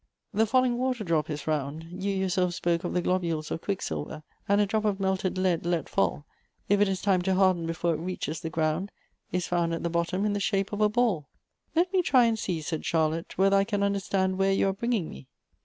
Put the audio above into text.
The falling water drop is round ; you yourself spoke of the globules of quicksilver; and a drop of melted lead let fall, if it has time to harden before it reaches the ground, is found at the bottom in the shape of a ball." / "Let me try and see," said Charlotte "whether I can : understand where you are bringing me.